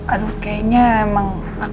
aduh kayaknya emang akan mama sih